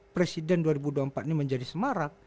presiden dua ribu dua puluh empat ini menjadi semarak